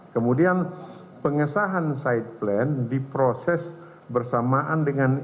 kemudian pengesahan side plan diproses bersamaan dengan